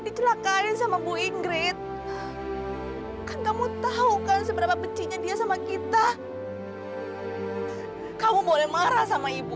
dicelakain sama bu ingrid kamu tahu kan seberapa bencinya dia sama kita kamu boleh marah sama ibu